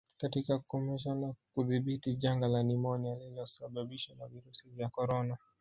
katika kukomesha na kudhibiti janga la nimonia lililosababishwa na virusi vya korona